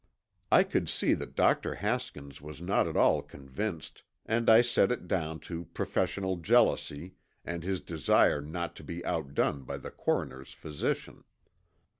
I could see that Dr. Haskins was not at all convinced, and I set it down to professional jealousy and his desire not to be outdone by the coroner's physician.